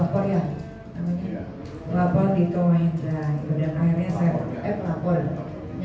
sampai akhirnya terjadi seperti ini dari penopor yang